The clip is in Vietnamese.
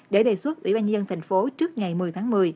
để đề xuất ủy ban nhân dân tp hcm trước ngày một mươi tháng một mươi